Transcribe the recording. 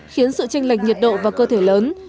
khiến sự tranh lệch nhiệt độ và cơ thể lớn